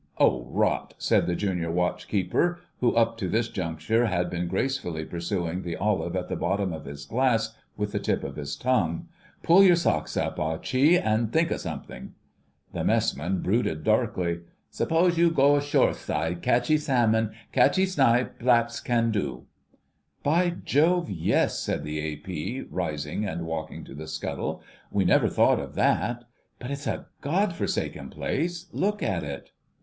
"Oh, rot!" said the Junior Watch keeper, who up to this juncture had been gracefully pursuing the olive at the bottom of his glass with the tip of his tongue. "Pull your socks up, Ah Chee, an' think of something." The Messman brooded darkly. "S'pose you go shore side, catchee salmon, catchee snipe, pl'aps can do." "By Jove, yes," said the A.P., rising and walking to the scuttle. "We never thought of that. But it's a God forsaken place—look at it."